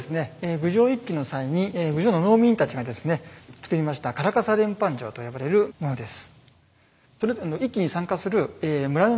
郡上一揆の際に郡上の農民たちがですね作りました「傘連判状」と呼ばれるものです。